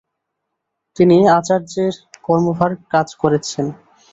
তিনি আচার্যের কর্মভার কাজ করেছেন।